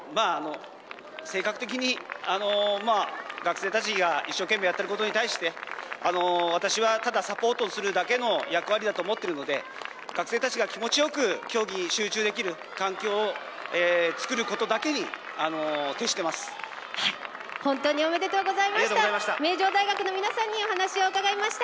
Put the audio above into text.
性格的に学生たちが一生懸命やっていることに対して私はただサポートするだけの役割だと思っているので学生たちが気持ちよく競技に集中できる環境を作ることだけに本当におめでとうございました。